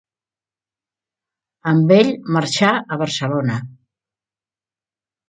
Amb ell marxà a Barcelona.